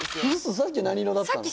さっき何色だったの？